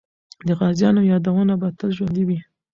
د غازیانو یادونه به تل ژوندۍ وي.